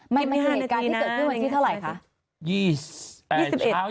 ไม่การที่เกิดขึ้นวันที่เท่าไหร่คะ